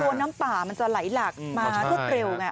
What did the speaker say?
น้ำป่ามันจะไหลหลักมารวดเร็วไง